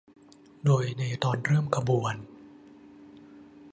โดยในตอนเริ่มขบวน